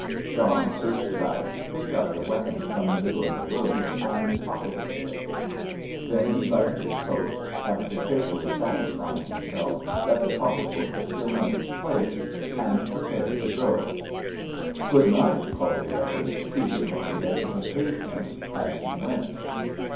John searched about, picked up the weapon from the middle of the road and pocketed it. Then he buttoned his coat, after carefully satisfying himself that the pocket book was still in its place, and prepared to go. "Good night," called the other, seated on the edge of the pavement, as he went.